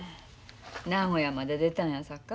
名古屋まで出たんやさか